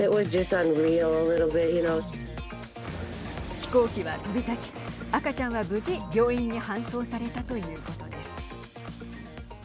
飛行機は飛び立ち赤ちゃんは無事病院に搬送されたということです。